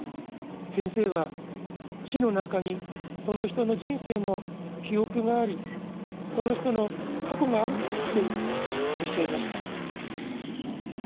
先生は『死』の中にその人の人生の『記憶』がありその人の『過去』があるっておっしゃいました。